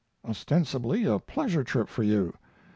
Ostensibly a pleasure trip for you.